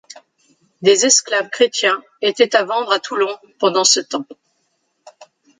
Des esclaves chrétiens étaient à vendre à Toulon pendant ce temps.